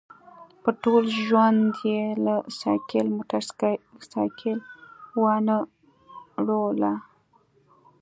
په ټول ژوند یې له سایکل موټرسایکل وانه ړوله.